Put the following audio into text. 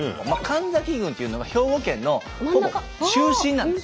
神崎郡というのが兵庫県のほぼ中心なんです。